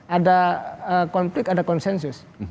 ada konflik ada konsensus